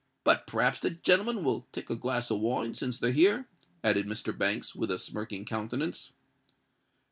But p'rhaps the gen'lemen will take a glass of wine, since they're here?" added Mr. Banks, with a smirking countenance.